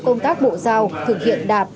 công tác bộ giao thực hiện đạt